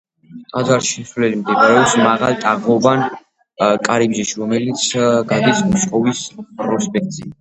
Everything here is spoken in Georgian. ტაძარში შესასვლელი მდებარეობს მაღალ თაღოვან კარიბჭეში, რომელიც გადის მოსკოვის პროსპექტზე.